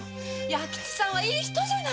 弥吉さんはいい人じゃないか！